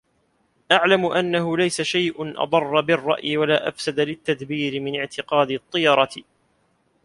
اعْلَمْ أَنَّهُ لَيْسَ شَيْءٌ أَضَرَّ بِالرَّأْيِ وَلَا أَفْسَدَ لِلتَّدْبِيرِ مِنْ اعْتِقَادِ الطِّيَرَةِ